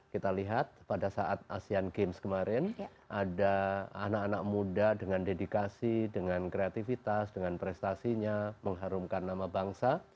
kita lihat pada saat asean games kemarin ada anak anak muda dengan dedikasi dengan kreativitas dengan prestasinya mengharumkan nama bangsa